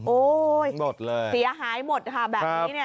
โอ้โฮเสียหายหมดค่ะแบบนี้เนี่ย